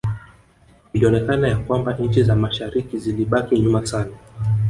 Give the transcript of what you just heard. Ilionekana ya kwamba nchi za mashariki zilibaki nyuma sana